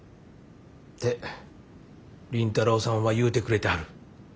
って凛太朗さんは言うてくれてはる。